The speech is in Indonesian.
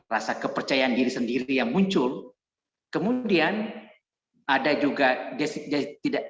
rasa kepercayaan diri sendiri yang muncul kemudian ada juga tidak tidak hanya mengejar rasa tetapi kemudian juga